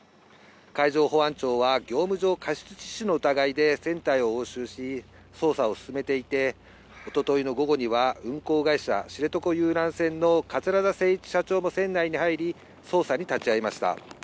海上保安庁は、業務上過失致死の疑いで船体を押収し、捜査を進めていて、おとといの午後には、運航会社、知床遊覧船の桂田精一社長も船内に入り、捜査に立ち会いました。